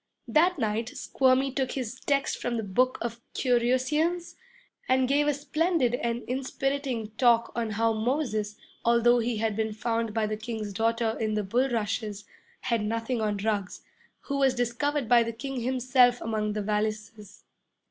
That night Squirmy took his text from the book of Currussians, and gave a splendid and inspiriting talk on how Moses, although he had been found by the King's daughter in the bulrushes, had nothing on Ruggs, who was discovered by the King himself among the valises.